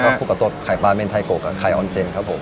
คลุกกับตัวไข่ปลาเมนไทยโกะกับไข่ออนเซนครับผม